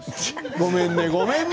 ごめんね、ごめんね。